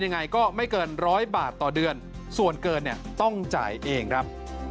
ยังไงก็ไม่เกินร้อยบาทต่อเดือนส่วนเกินเนี่ยต้องจ่ายเองครับ